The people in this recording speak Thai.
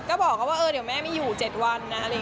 ก็บอกเขาว่าเดี๋ยวแม่ไม่อยู่๗วันนะ